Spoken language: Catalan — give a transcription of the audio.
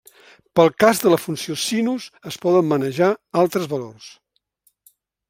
Pel cas de la funció sinus, es poden manejar altres valors.